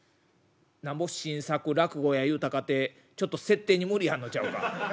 「なんぼ新作落語やいうたかてちょっと設定に無理あんのちゃうか？